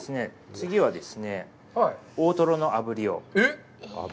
次はですね、大トロの炙りを。